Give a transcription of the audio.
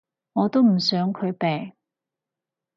我都唔想佢病